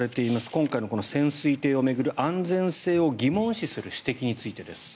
今回の潜水艇を巡る安全性を疑問視する指摘についてです。